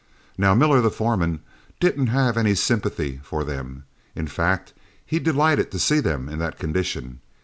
"Now, Miller, the foreman, didn't have any sympathy for them; in fact he delighted to see them in that condition.